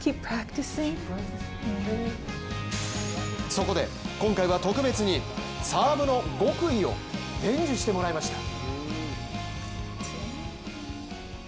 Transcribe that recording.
そこで今回は特別にサーブの極意を伝授してもらいました。